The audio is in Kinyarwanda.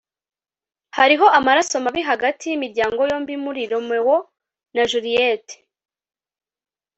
hariho amaraso mabi hagati yimiryango yombi muri romeo na juliet